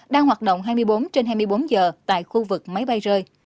đang hoạt động hai mươi bốn trên hai mươi bốn giờ tại khu vực máy bay rơi